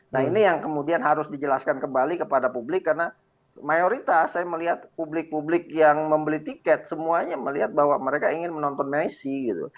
nah ini yang kemudian harus dijelaskan kembali kepada publik karena mayoritas saya melihat publik publik yang membeli tiket semuanya melihat bahwa mereka ingin menonton messi gitu